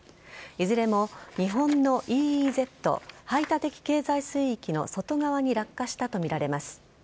いずれも日本のＥＥＺ＝排他的経済水域の外側に落下したとみられます。